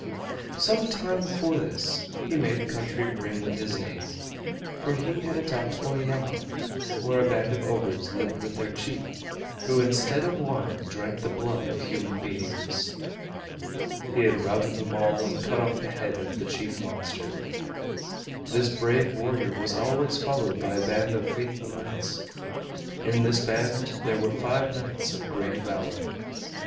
Some time before this he made the country ring with his name, for he had attacked Oeyama, where a band of ogres lived with their chief, who instead of wine drank the blood of human beings. He had routed them all and cut off the head of the chief monster. This brave warrior was always followed by a band of faithful knights. In this band there were five knights of great valor.